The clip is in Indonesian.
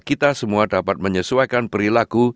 kita semua dapat menyesuaikan perilaku